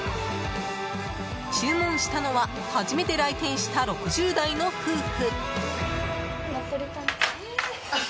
注文したのは初めて来店した６０代の夫婦。